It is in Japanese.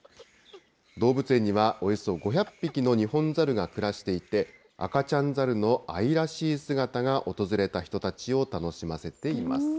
動物園にはおよそ５００匹のニホンザルが暮らしていて、赤ちゃんザルの愛らしい姿が訪れた人たちを楽しませています。